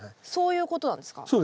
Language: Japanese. そういうことなんですか？